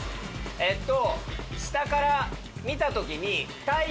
えっと。